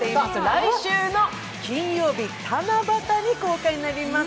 来週の金曜日、七夕に公開になります